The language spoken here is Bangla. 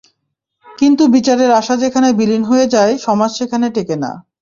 কিন্তু বিচারের আশা যেখানে বিলীন হয়ে যায়, সমাজ সেখানে টেকে না।